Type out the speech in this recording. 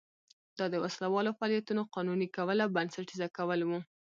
دا د وسله والو فعالیتونو قانوني کول او بنسټیزه کول و.